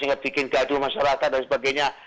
ingat bikin gaduh masyarakat dan sebagainya